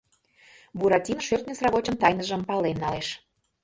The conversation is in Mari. Буратино шӧртньӧ сравочын тайныжым пален налеш